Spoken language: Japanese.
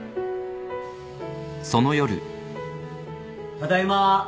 ・ただいま。